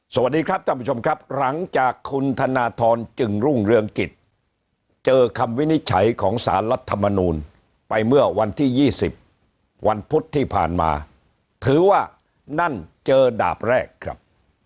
สวัสดีครับท่านผู้ชมครับหลังจากคุณธนทรจึงรุ่งเรืองกิจเจอคำวินิจฉัยของสารรัฐมนูลไปเมื่อวันที่๒๐วันพุธที่ผ่านมาถือว่านั่นเจอดาบแรกครับ